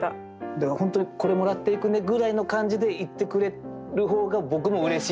だから本当に「これ、もらっていくね」ぐらいの感じで言ってくれる方が僕もうれしいんですよ。